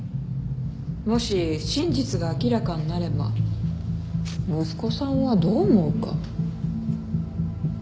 もし真実が明らかになれば息子さんはどう思うか。